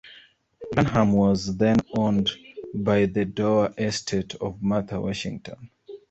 Branham was then owned by the dower estate of Martha Washington.